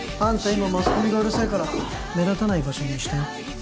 今マスコミがうるさいから目立たない場所にしたよ